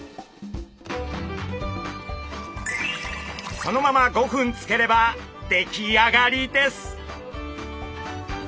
そのまま５分つければ出来上がりです！